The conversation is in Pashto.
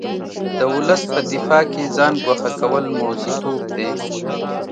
د ولس په دفاع کې ځان ګوښه کول موزیتوب دی.